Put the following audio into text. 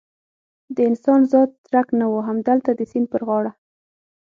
د انسان ذات څرک نه و، همدلته د سیند پر غاړه.